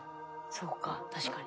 そうか確かに。